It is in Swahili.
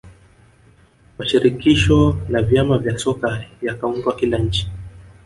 mashirikisho na vyama vya soka yakaundwa kila nchi